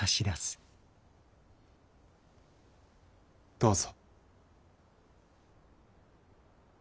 どうぞ。